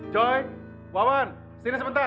joy wawan sini sebentar